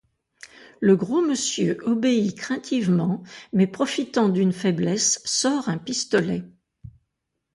Le Gros Monsieur obéit craintivement mais, profitant d'une faiblesse, sort un pistolet.